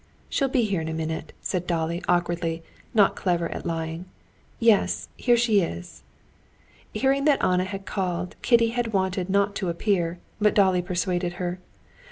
She'll be here in a minute," said Dolly awkwardly, not clever at lying. "Yes, here she is." Hearing that Anna had called, Kitty had wanted not to appear, but Dolly persuaded her.